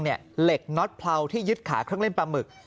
เหล็กน็อตเพราที่ยึดขาเครื่องเล่นปลาหมึก